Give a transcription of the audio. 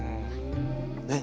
ねっ。